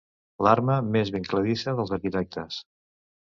L'arma més vincladissa dels arquitectes.